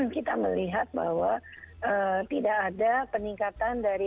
kita melihat bahwa tidak ada peningkatan dari